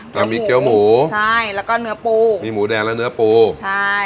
แต่มีเกี้ยวหมูใช่แล้วก็เนื้อปูมีหมูแดงและเนื้อปูใช่